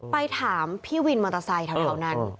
ไปถามพี่วินมอเตอร์ไซค์แถวนั้น